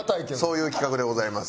そういう企画でございます。